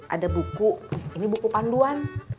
ada buku ini buku panduan